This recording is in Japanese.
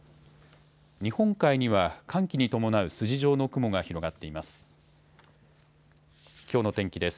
日本海には寒気に伴う筋状の雲が広がっています。